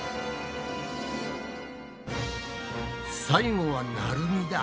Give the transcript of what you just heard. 最後はなるみだ。